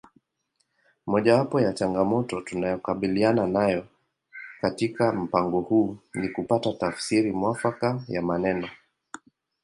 Mojawapo ya changamoto tunayokabiliana nayo katika mpango huu ni kupata tafsiri mwafaka ya maneno